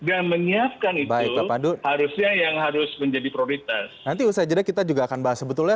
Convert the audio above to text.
dan menyiapkan itu